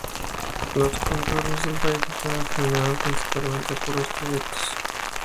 Los contornos del país están determinados principalmente por los proyectos de los holandeses.